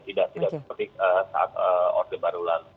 tidak seperti saat orde barulal